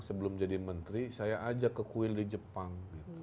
sebelum jadi menteri saya ajak ke kuil di jepang